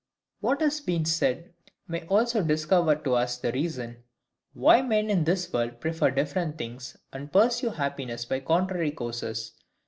What has been said may also discover to us the reason why men in this world prefer different things, and pursue happiness by contrary courses.